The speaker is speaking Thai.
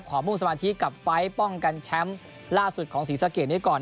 มุ่งสมาธิกับไฟล์ป้องกันแชมป์ล่าสุดของศรีสะเกดนี้ก่อน